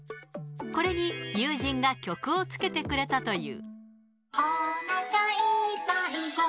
これに友人が曲をつけてくれたという。